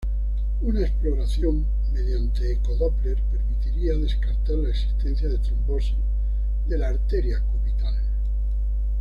Una exploración mediante eco-Doppler permitiría descartar la existencia de trombosis de la arteria cubital.